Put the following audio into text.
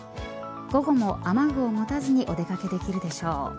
午後も雨具を持たずにお出掛けできるでしょう。